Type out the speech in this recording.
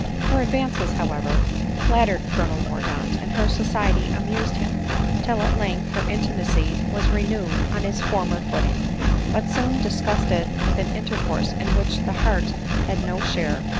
Her advances, however, flattered Colonel Mordaunt, and her society amused him, till at length, their intimacy was renewed on its former footing ; but soon disgusted with an intercourse in which the heart had no share, •\ wv r * V t 872 ADELINE MOWBRAY.